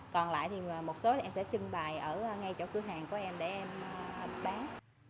còn lại thì một số thì em sẽ trưng bài ở ngay chỗ cửa hàng của em để em bán